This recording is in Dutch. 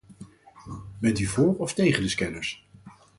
Bent u voor of tegen de scanners?